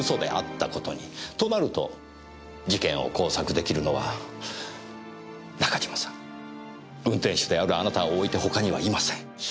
となると事件を工作出来るのは中島さん運転手であるあなたを置いて他にはいません。